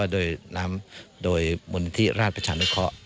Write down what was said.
โดยมนุษย์ที่ราชประชานุเคราะห์